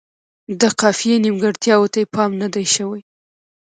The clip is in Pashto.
د قافیې نیمګړتیاوو ته یې پام نه دی شوی.